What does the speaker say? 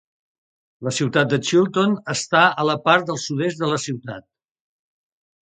La ciutat de Chilton està a la part del sud-est de la ciutat.